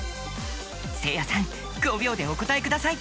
せいやさん５秒でお答えください！